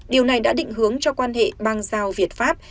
điều này đã định hướng cho quan hệ bang giao việt pháp